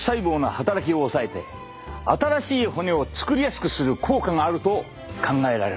新しい骨を作りやすくする効果があると考えられるのだ。